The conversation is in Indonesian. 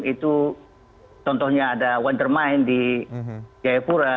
itu contohnya ada water mind di jayapura